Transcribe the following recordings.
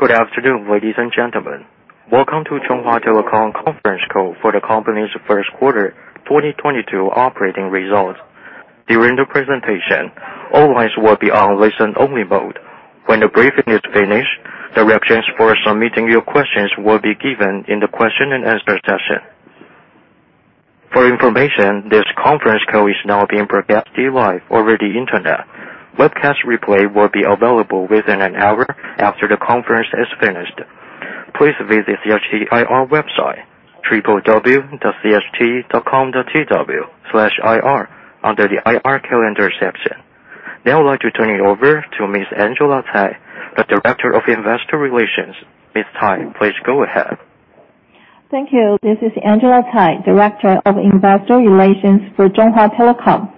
Good afternoon, ladies and gentlemen. Welcome to Chunghwa Telecom conference call for the company's first quarter 2022 operating results. During the presentation, all lines will be on listen-only mode. When the briefing is finished, the directions for submitting your questions will be given in the question and answer session. For information, this conference call is now being broadcasted live over the Internet. Webcast replay will be available within an hour after the conference is finished. Please visit the CHT IR website www.cht.com.tw/IR under the IR calendar section. Now I'd like to turn it over to Ms. Angela Tsai, the Director of Investor Relations. Ms. Tsai, please go ahead. Thank you. This is Angela Tsai, Director of Investor Relations for Chunghwa Telecom.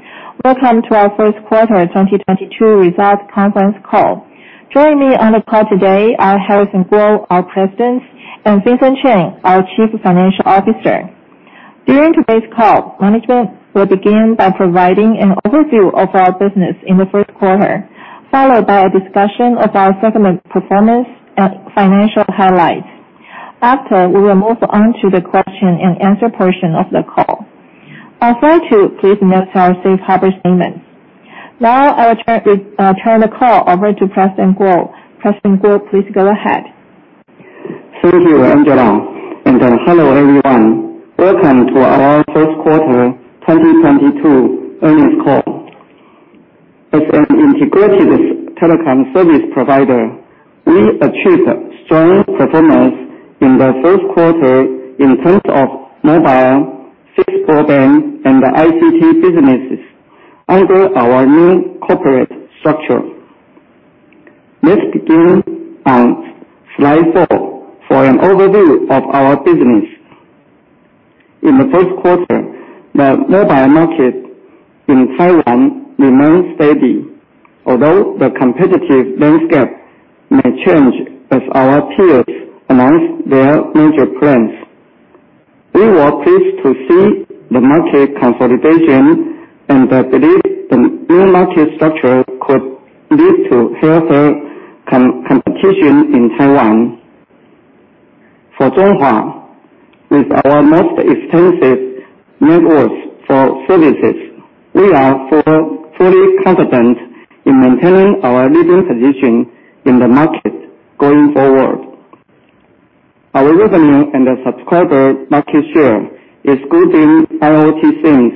Welcome to our First Quarter 2022 Results Conference Call. Joining me on the call today are Shui-Yi Kuo, our President, and Vincent Y.S. Chen, our Chief Financial Officer. During today's call, management will begin by providing an overview of our business in the first quarter, followed by a discussion of our segment performance and financial highlights. After, we will move on to the question and answer portion of the call. Please note our safe harbor statement. Now I will turn the call over to President Kuo. President Kuo, please go ahead. Thank you, Angela, and hello, everyone. Welcome to our first quarter 2022 earnings call. As an integrated telecom service provider, we achieved strong performance in the first quarter in terms of mobile, fixed broadband, and ICT businesses under our new corporate structure. Let's begin on Slide four for an overview of our business. In the first quarter, the mobile market in Taiwan remained steady, although the competitive landscape may change as our peers announce their major plans. We were pleased to see the market consolidation, and I believe the new market structure could lead to healthier competition in Taiwan. For Chunghwa, with our most extensive networks for services, we are fully confident in maintaining our leading position in the market going forward. Our revenue and the subscriber market share, excluding IoT SIMs,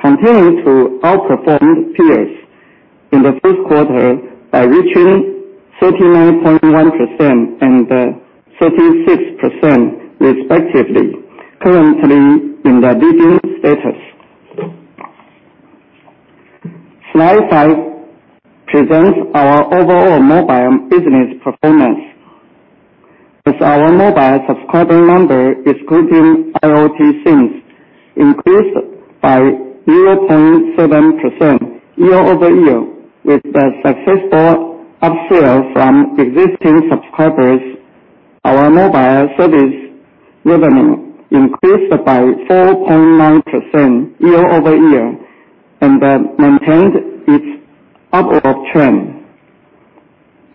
continued to outperform peers in the first quarter by reaching 39.1% and 36% respectively, currently in the leading status. Slide five presents our overall mobile business performance, as our mobile subscriber number, excluding IoT SIMs, increased by 0.7% year-over-year. With the successful upsell from existing subscribers, our mobile service revenue increased by 4.9% year-over-year and maintained its upward trend.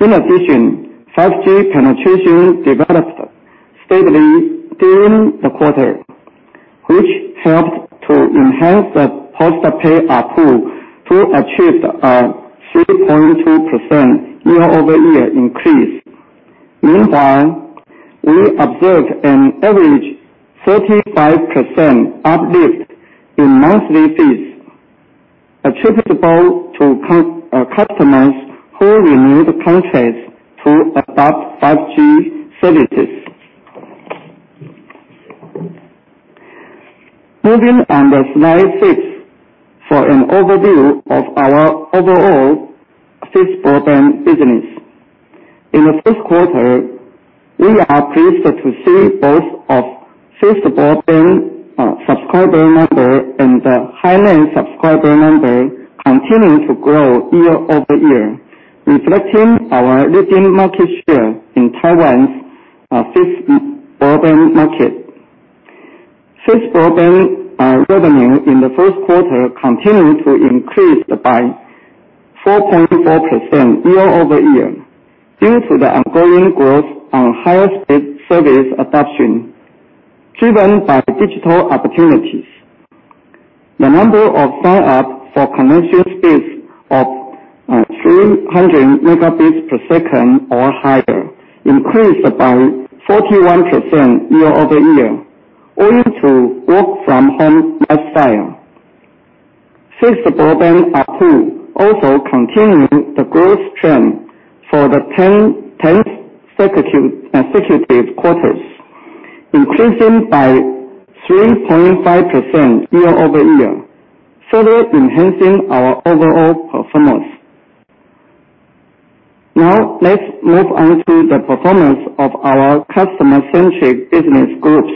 In addition, 5G penetration developed steadily during the quarter, which helped to enhance the post-paid ARPU to achieve a 3.2% year-over-year increase. Meanwhile, we observed an average 45% uplift in monthly fees attributable to customers who renewed contracts to adopt 5G services. Moving on to Slide six for an overview of our overall fixed broadband business. In the first quarter, we are pleased to see both our fixed broadband subscriber number and the HiNet's subscriber number continuing to grow year-over-year, reflecting our leading market share in Taiwan's fixed broadband market. Fixed broadband revenue in the first quarter continued to increase by 4.4% year-over-year due to the ongoing growth in higher speed service adoption. Driven by digital opportunities, the number of sign-ups for connection speeds of 300 Mbps or higher increased by 41% year-over-year, owing to work from home lifestyle. Fixed broadband ARPU also continuing the growth trend for the tenth consecutive quarters, increasing by 3.5% year-over-year, further enhancing our overall performance. Now, let's move on to the performance of our customer-centric business groups.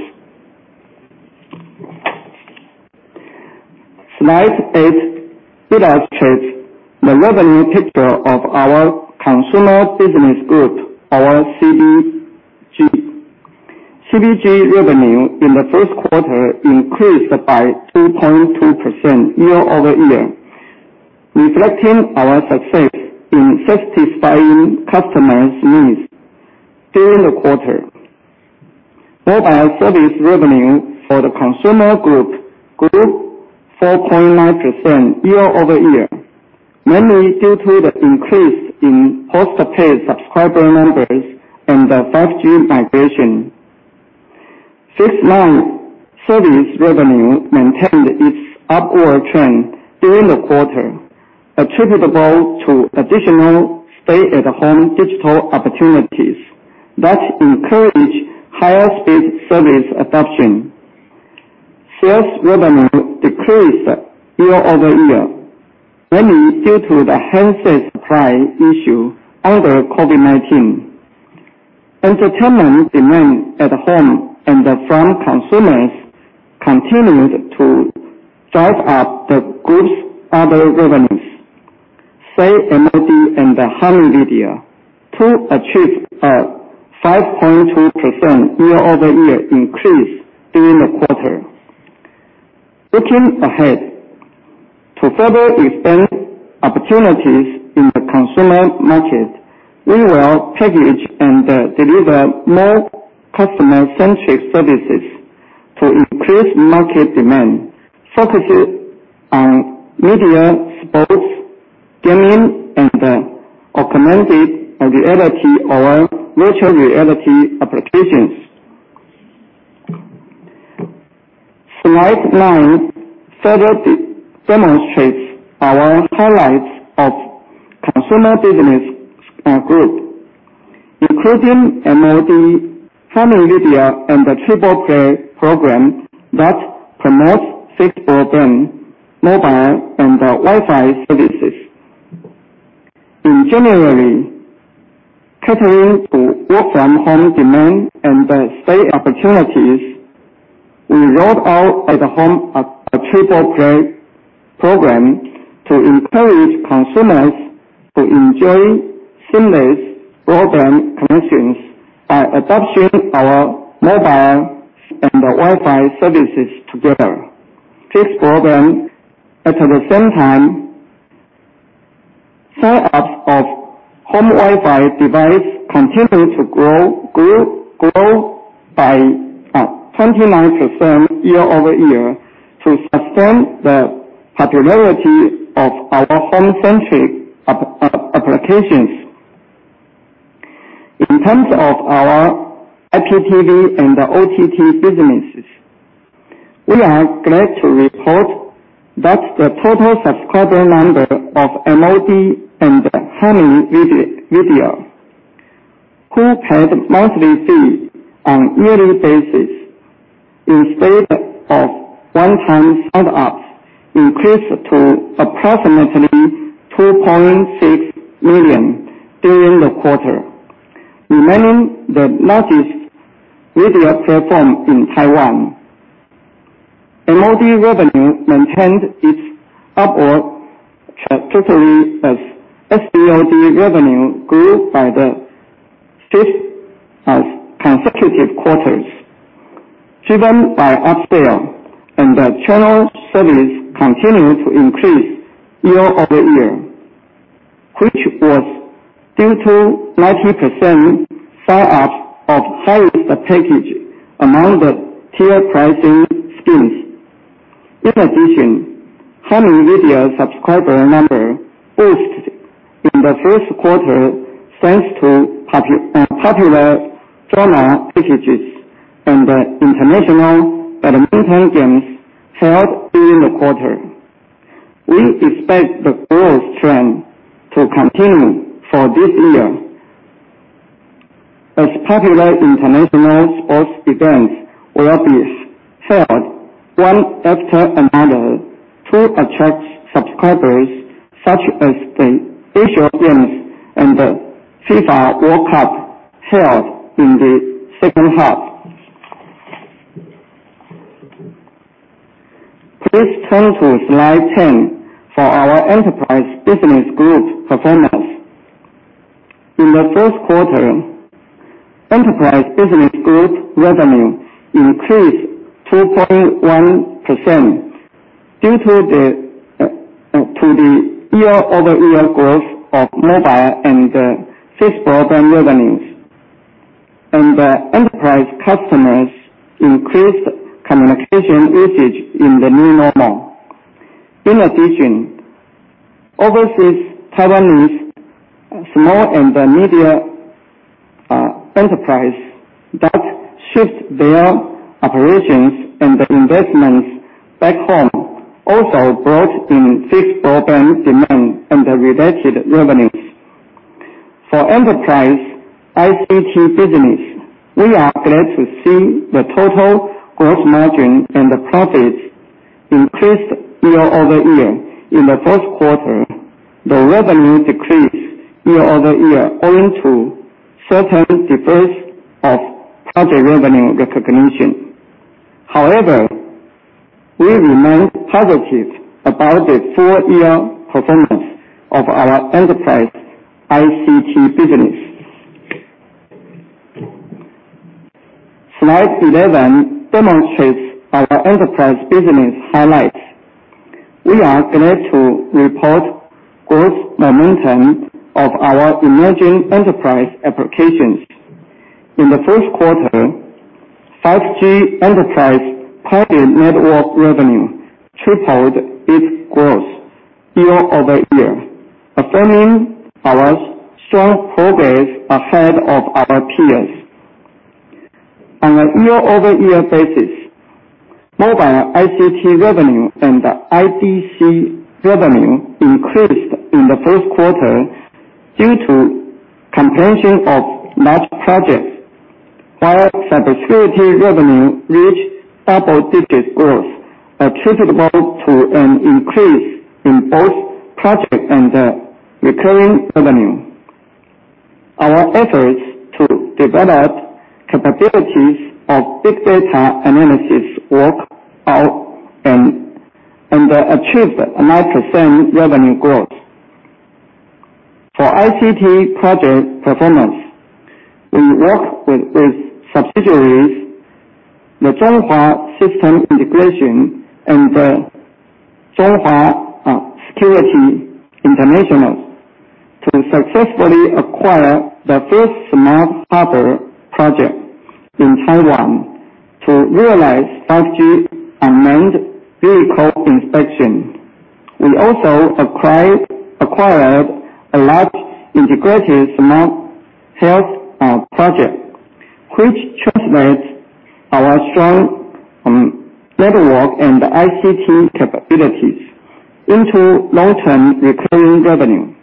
Slide eight illustrates the revenue picture of our consumer business group, our CBG. CBG revenue in the first quarter increased by 2.2% year-over-year, reflecting our success in satisfying customers' needs during the quarter. Mobile service revenue for the consumer group grew 4.9% year-over-year, mainly due to the increase in post-paid subscriber numbers and the 5G migration. Fixed line service revenue maintained its upward trend during the quarter, attributable to additional stay-at-home digital opportunities that encourage higher speed service adoption. Sales revenue decreased year-over-year, mainly due to the handset supply issue under COVID-19. Entertainment demand at home from consumers continued to drive up the group's other revenues, such as MOD and Hami Video, they achieved a 5.2% year-over-year increase during the quarter. Looking ahead, to further expand opportunities in the consumer market, we will package and deliver more customer-centric services to increase market demand, focusing on media, sports, gaming, and augmented reality or virtual reality applications. Slide nine further demonstrates our highlights of consumer business group, including MOD, Hami Video, and the Triple Play program that promotes fixed broadband, mobile, and Wi-Fi services. In January, catering to work-from-home demand and the stay-at-home opportunities, we rolled out a home Triple Play program to encourage consumers to enjoy seamless broadband connections by adopting our mobile and Wi-Fi services together. For the fixed program at the same time, sign-ups of home Wi-Fi device continued to grow by 29% year-over-year to sustain the popularity of our home-centric applications. In terms of our IPTV and OTT businesses, we are glad to report that the total subscriber number of MOD and Hami Video, who paid monthly fee on yearly basis instead of one-time sign-ups, increased to approximately 2.6 million during the quarter, remaining the largest video platform in Taiwan. MOD revenue maintained its upward trajectory as SVOD revenue grew for the sixth consecutive quarter, driven by upsell and the channel service continued to increase year-over-year, which was due to 90% sign-ups of service package among the tier pricing schemes. In addition, Hami Video subscriber number boosted in the first quarter, thanks to popular drama packages and the international badminton games held during the quarter. We expect the growth trend to continue for this year as popular international sports events will be held one after another to attract subscribers, such as the Asian Games and the FIFA World Cup held in the second half. Please turn to Slide 10 for our enterprise business group performance. In the first quarter, enterprise business group revenue increased 2.1% due to the year-over-year growth of mobile and the fixed broadband revenues. The enterprise customers increased communication usage in the new normal. In addition, overseas Taiwanese small and medium enterprise that shift their operations and the investments back home also brought in fixed broadband demand and the related revenues. For enterprise ICT business, we are glad to see the total gross margin and the profits increased year-over-year. In the first quarter, the revenue decreased year-over-year owing to certain delays of project revenue recognition. However, we remain positive about the full year performance of our enterprise ICT business. Slide 11 demonstrates our enterprise business highlights. We are glad to report good momentum of our emerging enterprise applications. In the first quarter, 5G enterprise private network revenue tripled its growth year-over-year, affirming our strong progress ahead of our peers. On a year-over-year basis, mobile ICT revenue and IDC revenue increased in the first quarter due to completion of large projects. While cybersecurity revenue reached double-digit growth, attributable to an increase in both project and recurring revenue. Our efforts to develop capabilities of big data analytics work are in hand and achieve 9% revenue growth. For ICT project performance, we work with subsidiaries, the Chunghwa System Integration and CHT Security Co., Ltd., to successfully acquire the first smart harbor project in Taiwan to realize 5G unmanned vehicle inspection. We also acquired a large integrated smart health project, which translates our strong network and ICT capabilities into long-term recurring revenue.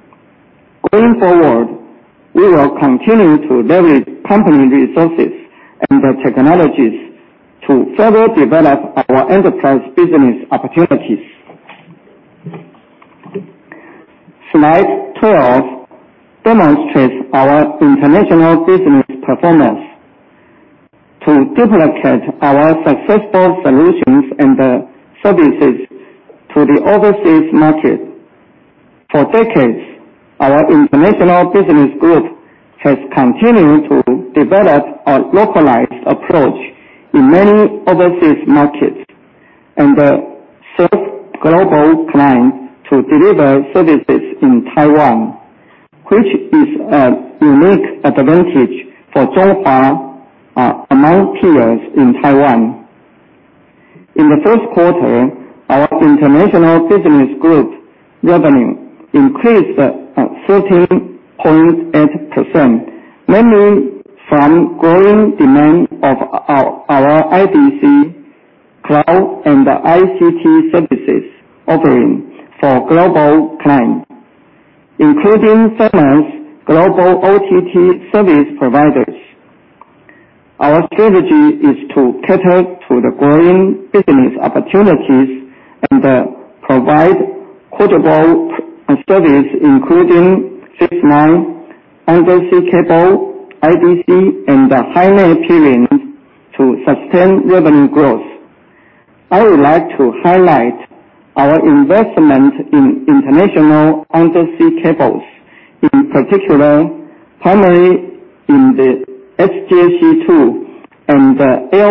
Going forward, we will continue to leverage company resources and the technologies to further develop our enterprise business opportunities. Slide 12 demonstrates our international business performance to duplicate our successful solutions and services to the overseas market. For decades, our international business group has continued to develop a localized approach in many overseas markets and serve global clients to deliver services in Taiwan, which is a unique advantage for Chunghwa among peers in Taiwan. In the first quarter, our international business group revenue increased 13.8%, mainly from growing demand of our IDC cloud and ICT services offering for global clients, including famous global OTT service providers. Our strategy is to cater to the growing business opportunities and provide portable service including fixed line, undersea cable, IDC, and HiNet to sustain revenue growth. I would like to highlight our investment in international undersea cables, in particular, primarily in the Southeast Asia-Japan 2 and the Asia-Pacific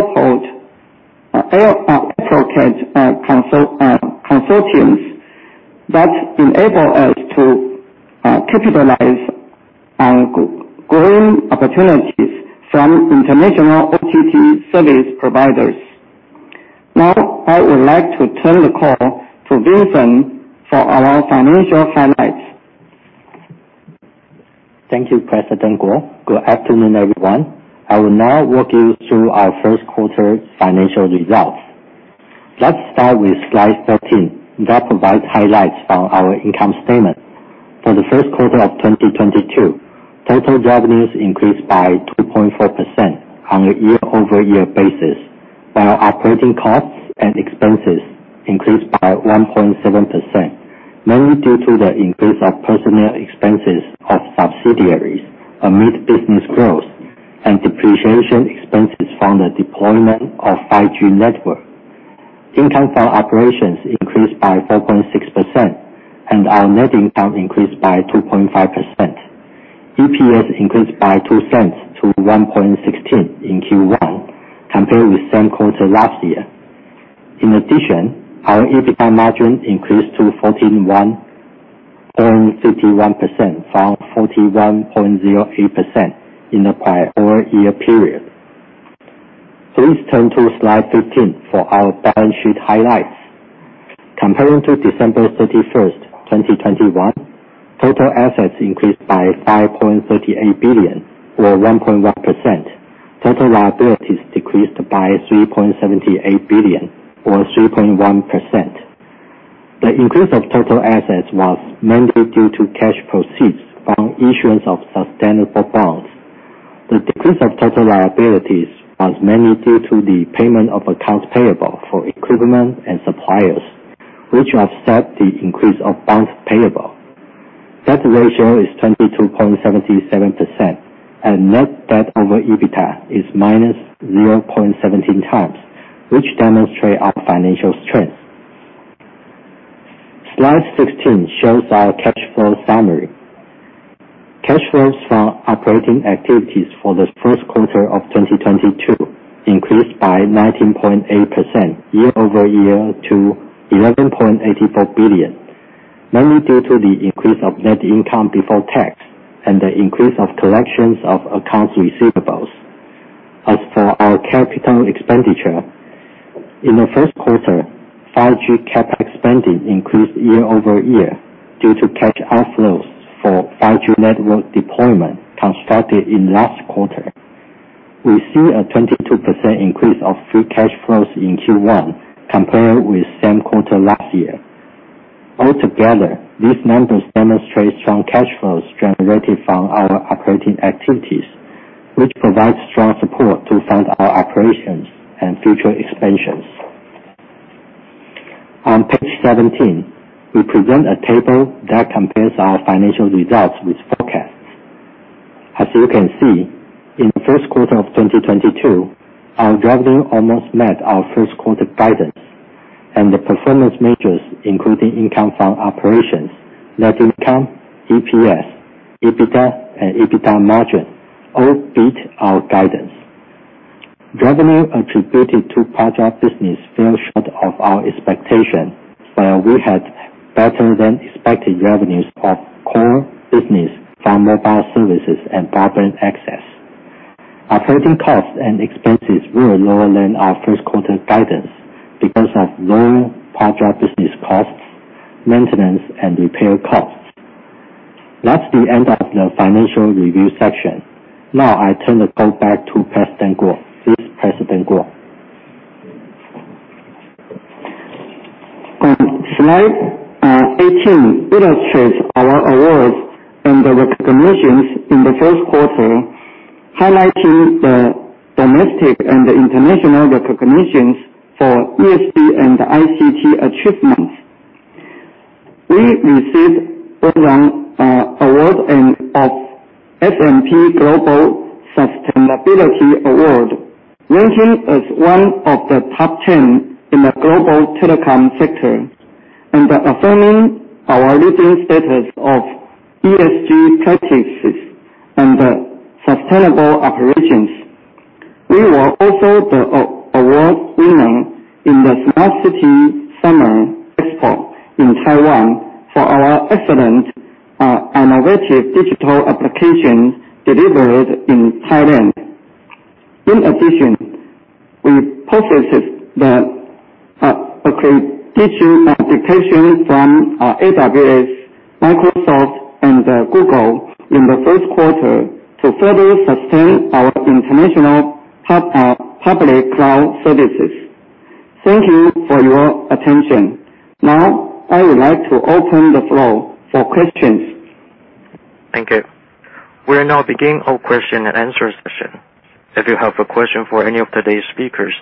Cable Network 2 consortiums that enable us to capitalize on growing opportunities from international OTT service providers. Now, I would like to turn the call to Vincent for our financial highlights. Thank you, President Kuo. Good afternoon, everyone. I will now walk you through our first quarter financial results. Let's start with Slide 13 that provides highlights from our income statement. For the first quarter of 2022, total revenues increased by 2.4% on a year-over-year basis, while operating costs and expenses increased by 1.7%, mainly due to the increase of personnel expenses of subsidiaries amid business growth and depreciation expenses from the deployment of 5G network. Income for operations increased by 4.6%, and our net income increased by 2.5%. EPS increased by 0.02 to 1.16 in Q1 compared with same quarter last year. In addition, our EBITDA margin increased to 41.51% from 41.08% in the prior whole year period. Please turn to Slide 15 for our balance sheet highlights. Comparing to December 31, 2021, total assets increased by 5.38 billion or 1.1%. Total liabilities decreased by 3.78 billion or 3.1%. The increase of total assets was mainly due to cash proceeds from issuance of sustainability bonds. The decrease of total liabilities was mainly due to the payment of accounts payable for equipment and suppliers, which offset the increase of bonds payable. Debt ratio is 22.77% and net debt over EBITDA is -0.17x, which demonstrate our financial strength. Slide 16 shows our cash flow summary. Cash flows from operating activities for the first quarter of 2022 increased by 19.8% year-over-year to 11.84 billion. Mainly due to the increase of net income before tax and the increase of collections of accounts receivables. As for our capital expenditure, in the first quarter, 5G CapEx expansion increased year-over-year due to cash outflows for 5G network deployment constructed in last quarter. We see a 22% increase of free cash flows in Q1 compared with same quarter last year. Altogether, these numbers demonstrate strong cash flows generated from our operating activities, which provides strong support to fund our operations and future expansions. On page 17, we present a table that compares our financial results with forecasts. As you can see, in the first quarter of 2022, our revenue almost met our first quarter guidance and the performance measures, including income from operations, net income, EPS, EBITDA, and EBITDA margin, all beat our guidance. Revenue attributed to project business fell short of our expectation, while we had better than expected revenues of core business from mobile services and broadband access. Operating costs and expenses were lower than our first quarter guidance because of lower project business costs, maintenance and repair costs. That's the end of the financial review section. Now I turn the call back to President Kuo. Please, President Kuo. On slide 18 illustrates our awards and the recognitions in the first quarter, highlighting the domestic and international recognitions for ESG and ICT achievements. We received overall award in the S&P Global Sustainability Awards, ranking as one of the top 10 in the global telecom sector and affirming our leading status of ESG practices and sustainable operations. We were also the award winner in the Smart City Summit & Expo in Taiwan for our excellent innovative digital applications delivered in Thailand. In addition, we possess the accreditation from AWS, Microsoft and Google in the first quarter to further sustain our international public cloud services. Thank you for your attention. Now, I would like to open the floor for questions. Thank you. We're now beginning our question and answer session. If you have a question for any of today's speakers,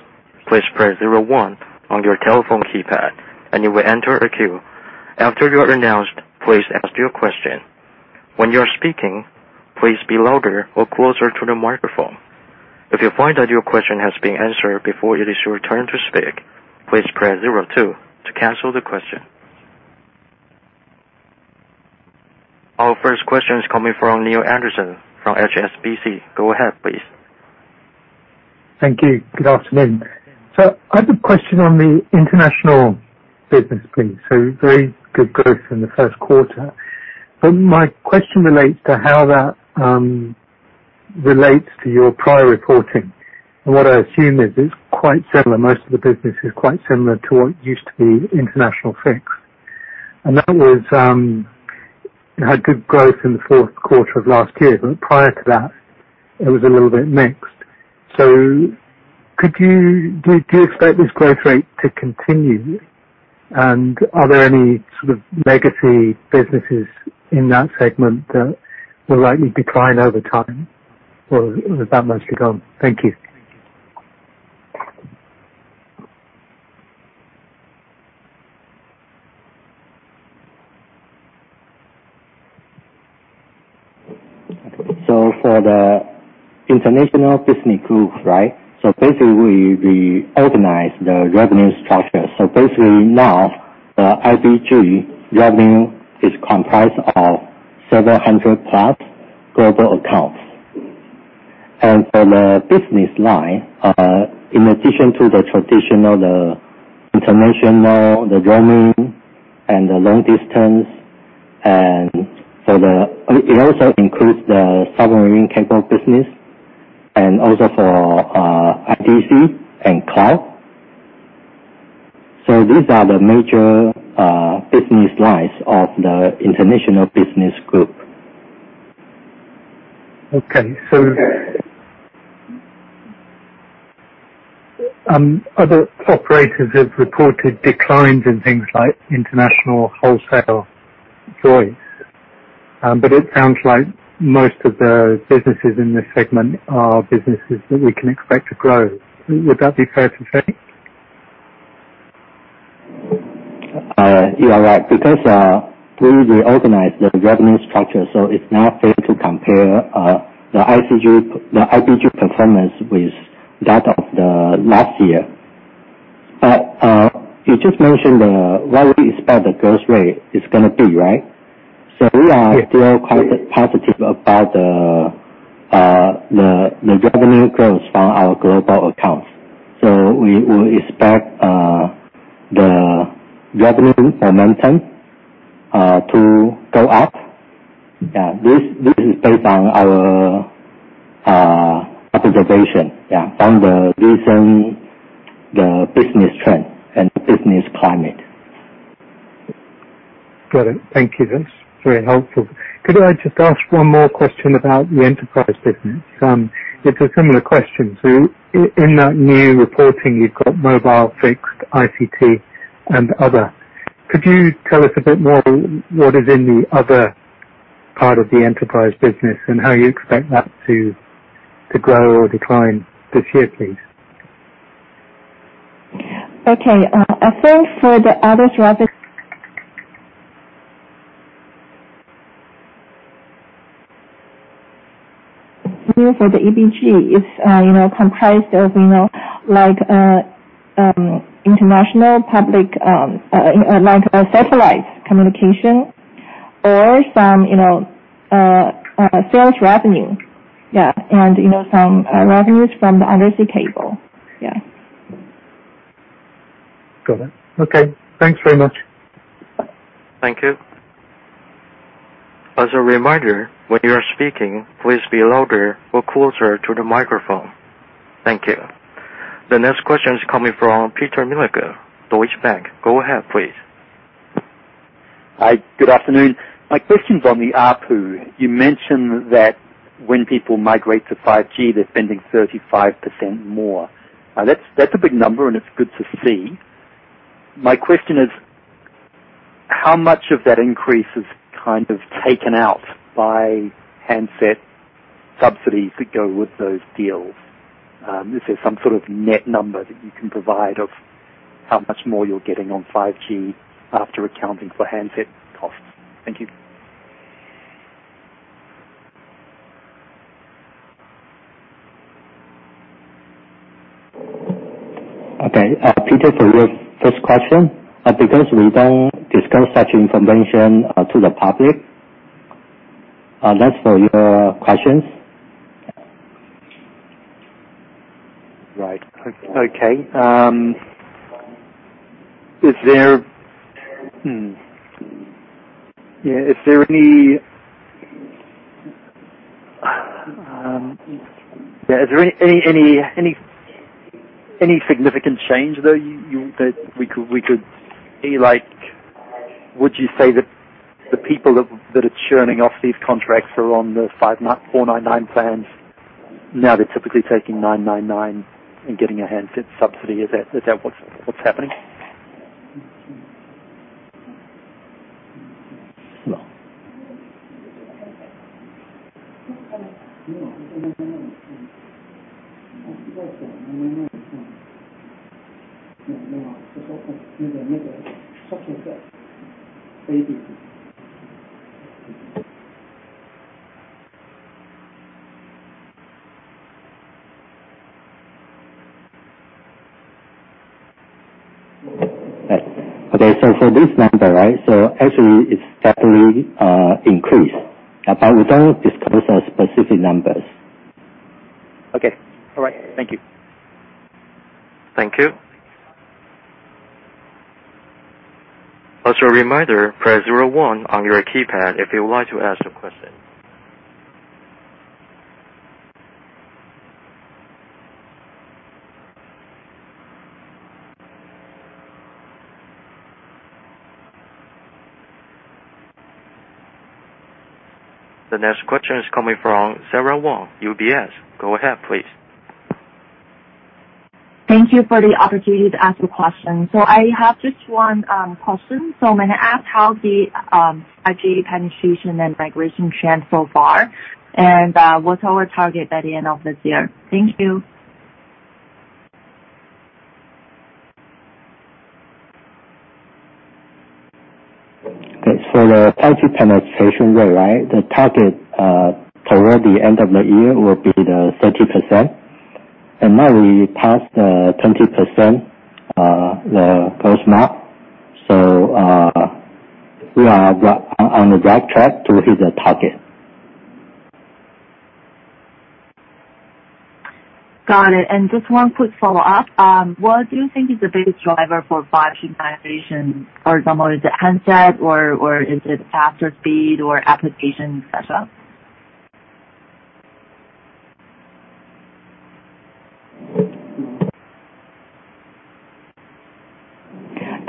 please press zero one on your telephone keypad and you will enter a queue. After you are announced, please ask your question. When you are speaking, please be louder or closer to the microphone. If you find that your question has been answered before it is your turn to speak, please press zero two to cancel the question. Our first question is coming from Neil Anderson from HSBC. Go ahead please. Thank you. Good afternoon. I have a question on the international business, please. Very good growth in the first quarter. My question relates to how that relates to your prior reporting. What I assume is it's quite similar, most of the business is quite similar to what used to be international fixed. That was it had good growth in the fourth quarter of last year, but prior to that it was a little bit mixed. Do you expect this growth rate to continue? Are there any sort of legacy businesses in that segment that will likely decline over time or has that mostly gone? Thank you. For the International Business Group, right? Basically we organize the revenue structure. Basically now, IBG revenue is comprised of several hundred plus global accounts. For the business line, in addition to the traditional international, the roaming and the long distance, it also includes the submarine cable business and also IDC and cloud. These are the major business lines of the International Business Group. Okay. Other operators have reported declines in things like international wholesale voice. It sounds like most of the businesses in this segment are businesses that we can expect to grow. Would that be fair to say? You are right, because we reorganized the revenue structure, so it's not fair to compare the IBG performance with that of the last year. You just mentioned what we expect the growth rate is gonna be, right? We are- Yeah. Still quite positive about the revenue growth from our global accounts. We will expect the revenue momentum to go up. This is based on our observation from the recent business trend and business climate. Got it. Thank you. That's very helpful. Could I just ask one more question about the enterprise business? It's a similar question. In that new reporting, you've got mobile, fixed, ICT and other. Could you tell us a bit more what is in the other part of the enterprise business and how you expect that to grow or decline this year, please? I think for the EBG, it's you know, comprised of, you know, like international, public, like satellite communication or some, you know, sales revenue. Yeah. You know, some revenues from the undersea cable. Yeah. Got it. Okay. Thanks very much. Thank you. As a reminder, when you are speaking, please be louder or closer to the microphone. Thank you. The next question is coming from Peter Milliken, Deutsche Bank. Go ahead, please. Hi. Good afternoon. My question's on the ARPU. You mentioned that when people migrate to 5G, they're spending 35% more. That's a big number, and it's good to see. My question is how much of that increase is kind of taken out by handset subsidies that go with those deals? Is there some sort of net number that you can provide of how much more you're getting on 5G after accounting for handset costs? Thank you. Okay. Peter, for your first question, because we don't discuss such information to the public, that's all your questions. Right. Okay, is there any significant change that we could see? Like, would you say that the people that are churning off these contracts are on the 499 plans, now they're typically taking 999 and getting a handset subsidy. Is that what's happening? No. Okay. This number, right? Actually, it's definitely increased, but we don't disclose our specific numbers. Okay. All right. Thank you. Thank you. As a reminder, press zero one on your keypad if you would like to ask a question. The next question is coming from Sara Wang, UBS. Go ahead, please. Thank you for the opportunity to ask a question. I have just one question. I'm gonna ask how the 5G penetration and migration trend so far and what's our target by the end of this year? Thank you. The 5G penetration rate, right? The target toward the end of the year will be 30%. Now we passed 20%, the growth mark. We are on the right track to hit the target. Got it. Just one quick follow-up. What do you think is the biggest driver for 5G penetration? For example, is it handset or is it faster speed or application, et cetera?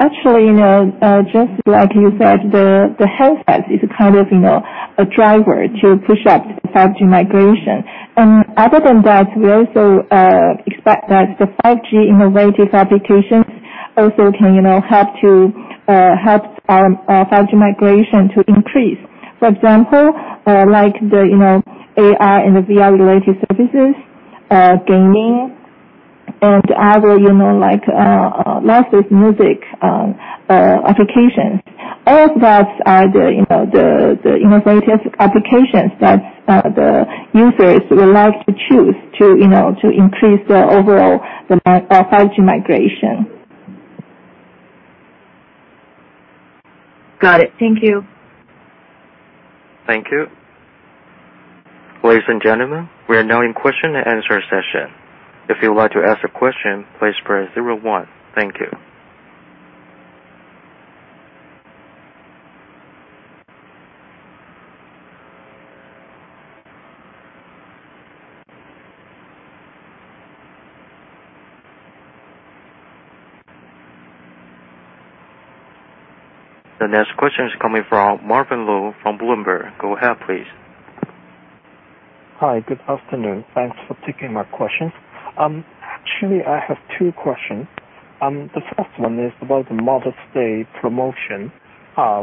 Actually, you know, just like you said, the handset is a kind of, you know, a driver to push up 5G migration. Other than that, we also expect that the 5G innovative applications also can, you know, help to help our 5G migration to increase. For example, like the, you know, AR and the VR related services. Gaming and other, you know, like, lots of music applications. All that are, you know, the innovative applications that the users would like to choose to, you know, to increase their overall 5G migration. Got it. Thank you. Thank you. Ladies and gentlemen, we are now in question and answer session. If you would like to ask a question, please press zero-one. Thank you. The next question is coming from Marvin Lo from Bloomberg. Go ahead, please. Hi. Good afternoon. Thanks for taking my question. Actually, I have two questions. The first one is about the Mother's Day promotion,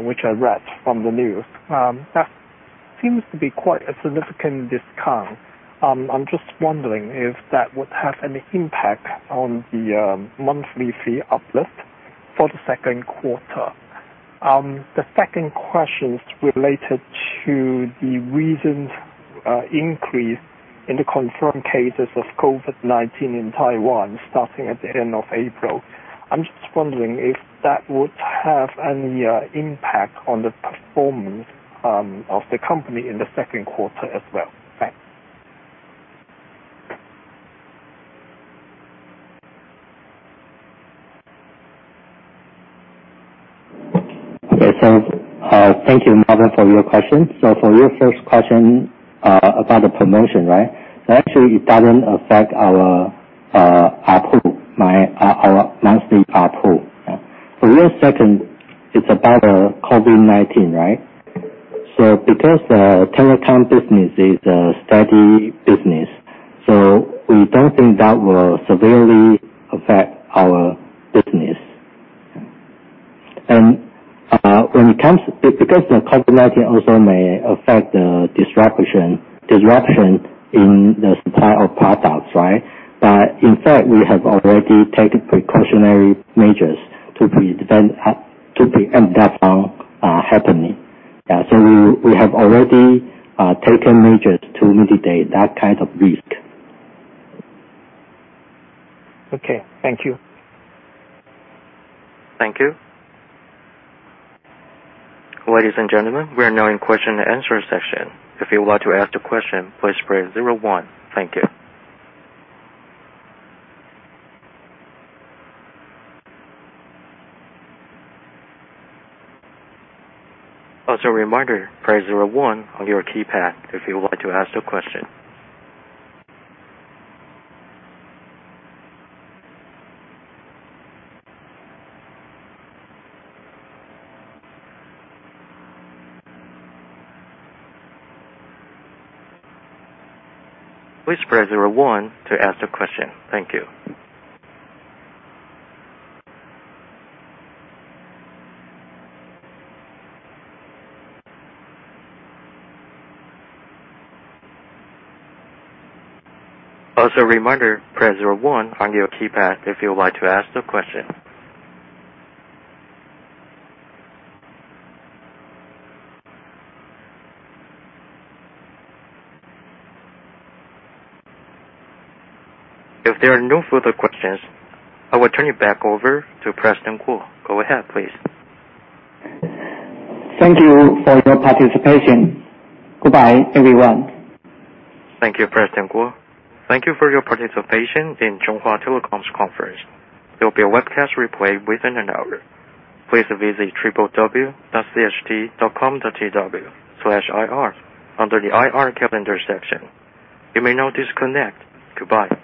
which I read from the news. That seems to be quite a significant discount. I'm just wondering if that would have any impact on the monthly fee uplift for the second quarter. The second question is related to the recent increase in the confirmed cases of COVID-19 in Taiwan starting at the end of April. I'm just wondering if that would have any impact on the performance of the company in the second quarter as well. Thanks. Okay. Thank you, Marvin, for your question. For your first question, about the promotion, right? Actually, it doesn't affect our ARPU. Our monthly ARPU. For your second, it's about the COVID-19, right? Because the telecom business is a steady business, so we don't think that will severely affect our business. Because the COVID-19 also may affect the disruption in the supply of products, right? But in fact, we have already taken precautionary measures to prevent that from happening. We have already taken measures to mitigate that kind of risk. Okay. Thank you. Thank you. Ladies and gentlemen, we are now in question and answer session. If you would like to ask a question, please press zero-one. Thank you. Also a reminder, press zero-one on your keypad if you would like to ask a question. Please press zero-one to ask a question. Thank you. Also a reminder, press zero-one on your keypad if you would like to ask a question. If there are no further questions, I will turn it back over to Shui-Yi Kuo. Go ahead, please. Thank you for your participation. Goodbye, everyone. Thank you, Shui-Yi Kuo. Thank you for your participation in Chunghwa Telecom's conference. There'll be a webcast replay within an hour. Please visit www.cht.com.tw/ir under the IR Calendar section. You may now disconnect. Goodbye.